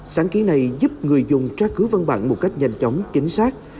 sáng ký này giúp người dùng tra cứu văn bản một cách nhanh chóng chính xác